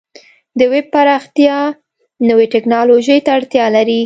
د ویب پراختیا نوې ټکنالوژۍ ته اړتیا لري.